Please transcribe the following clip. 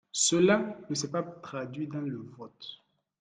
Cela ne s’est pas traduit dans le vote.